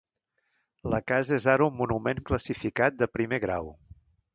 La casa és ara un monument classificat de primer grau.